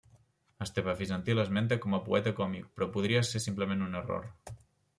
Esteve Bizantí l'esmenta com a poeta còmic, però podria ser simplement un error.